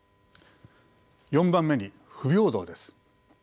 ４番目に不平等です。